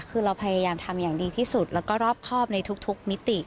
คือเราพยายามทำอย่างดีที่สุดแล้วก็รอบครอบในทุกมิติ